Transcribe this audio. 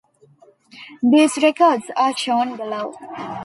These records are shown below.